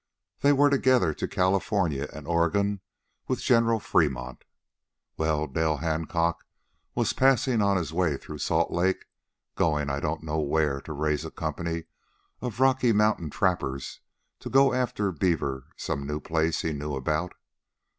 They were together to California and Oregon with General Fremont. Well, Del Hancock was passing on his way through Salt Lake, going I don't know where to raise a company of Rocky Mountain trappers to go after beaver some new place he knew about.